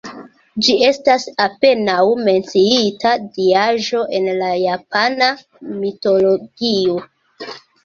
Ĝi estas apenaŭ menciita diaĵo en la japana mitologio.